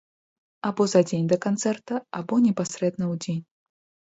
Або за дзень да канцэрта, або непасрэдна ў дзень.